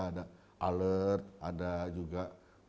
ada alert ada juga